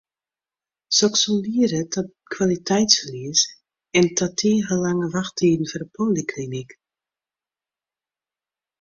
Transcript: Soks soe liede ta kwaliteitsferlies en ta tige lange wachttiden foar de polyklinyk.